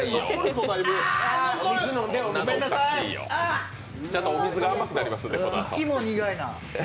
このあと、お水が甘くなりますんで。